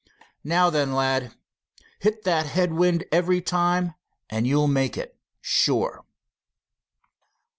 Now then, lad, hit that head wind every time, and you'll make it, sure."